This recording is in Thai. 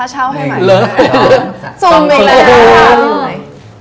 อันนี้ได้ด้วย